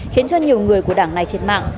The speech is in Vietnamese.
khiến cho nhiều người của đảng này thiệt mạng